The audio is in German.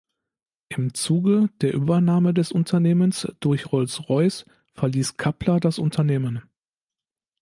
Im Zuge der Übernahme des Unternehmens durch Rolls-Royce verließ Kappler das Unternehmen.